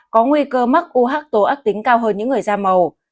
có nguy cơ mắc u hắc tố ác tính cao hơn những người da màu